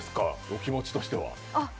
お気持ちとしては。